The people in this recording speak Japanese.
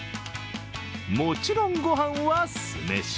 もちろん御飯は酢飯。